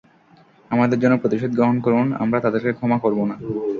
আমাদের জন্য প্রতিশোধ গ্রহণ করুন, আমরা তাদেরকে ক্ষমা করব না।